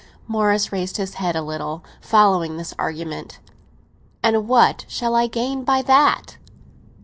Morris raised his head a little, following this argument, "And what shall I gain by that?"